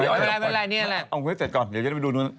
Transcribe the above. อุ้งคุณให้จริงก่อนอย่ายังไงได้ดูดู